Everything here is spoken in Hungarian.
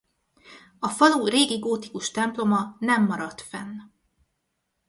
A falu régi gótikus temploma nem maradt fenn.